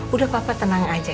udah papa tenang aja